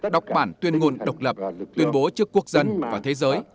đọc bản tuyên ngôn độc lập tuyên bố trước quốc dân và thế giới